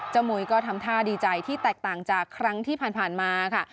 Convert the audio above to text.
มุยก็ทำท่าดีใจที่แตกต่างจากครั้งที่ผ่านมาค่ะ